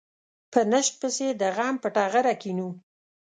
په نشت پسې د غم په ټغره کېنو.